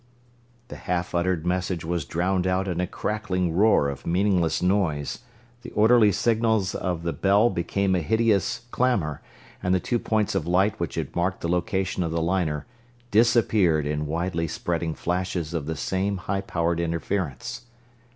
The half uttered message was drowned out in a crackling roar of meaningless noise, the orderly signals of the bell became a hideous clamor, and the two points of light which had marked the location of the liner disappeared in widely spreading flashes of the same high powered interference.